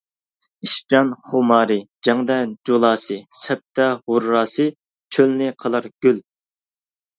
ئىشچان خۇمارى، جەڭدە جۇلاسى، سەپتە ھۇرراسى، چۆلنى قىلار گۈل.